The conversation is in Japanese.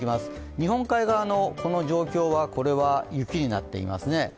日本海側のこの状況は雪になっていますね。